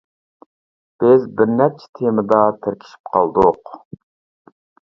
بىز بىر نەچچە تېمىدا تىركىشىپ قالدۇق.